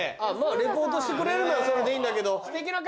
リポートしてくれるんならそれでいいんだけど。